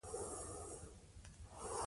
د ده لیکنې د خلکو په زړونو کې ځای لري.